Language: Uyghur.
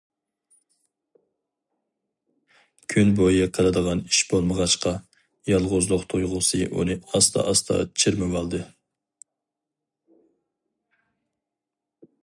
كۈنبويى قىلىدىغان ئىش بولمىغاچقا، يالغۇزلۇق تۇيغۇسى ئۇنى ئاستا-ئاستا چىرمىۋالدى.